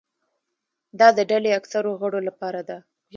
دا د ډلې اکثرو غړو لپاره ده.